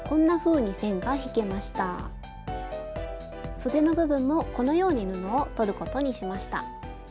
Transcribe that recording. そでの部分もこのように布をとることにしました。